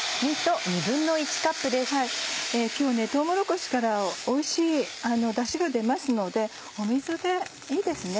今日とうもろこしからおいしいダシが出ますので水でいいですね。